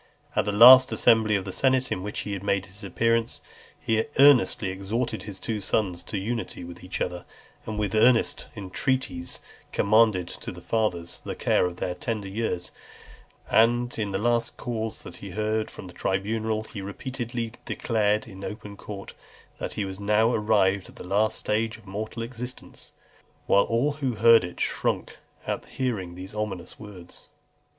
At the last assembly of the senate in which he made his appearance, he earnestly exhorted his two sons to unity with each other, and with earnest entreaties commended to the fathers the care of their tender years. And in the last cause he heard from the tribunal, he repeatedly declared in open court, "That he was now arrived at the last stage of mortal existence;" whilst all who heard it shrunk at hearing these ominous words.